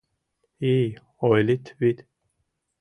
— И-й, ойлит вит...